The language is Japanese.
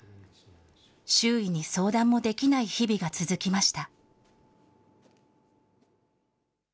周囲に相談もできない日々が続きました。